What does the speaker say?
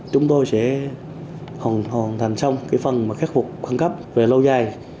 chúng tôi sẽ hoàn thành xong phần mà khắc phục khẩn cấp về lâu dài